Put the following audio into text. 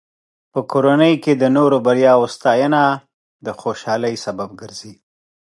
په کورنۍ کې د نورو بریاوو ستاینه د خوشحالۍ سبب ګرځي.